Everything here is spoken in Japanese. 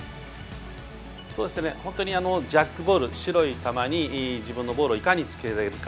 本当にジャックボール白い球に自分のボールをいかにつけられるか。